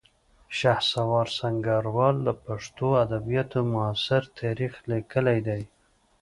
شهسوار سنګروال د پښتو ادبیاتو معاصر تاریخ لیکلی دی